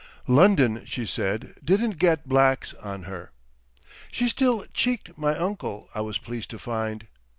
"London," she said, didn't "get blacks" on her. She still "cheeked" my uncle, I was pleased to find.